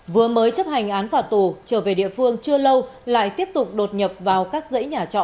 vừa mới chấp hành án phạt tù trở về địa phương chưa lâu lại tiếp tục đột nhập vào các dãy nhà trọ